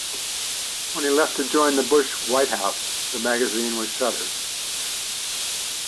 When he left to join the Bush White House, the magazine was shuttered.